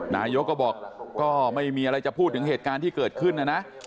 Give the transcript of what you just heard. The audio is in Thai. นายกก็บอกก็ไม่มีอะไรจะพูดถึงเหตุการณ์ที่เกิดขึ้นนะนะ